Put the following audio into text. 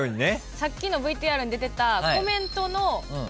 さっきのＶＴＲに出てた。